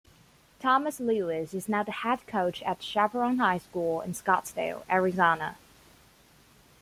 Thomas Lewis is now the head coach at Chaparral High School in Scottsdale, Arizona.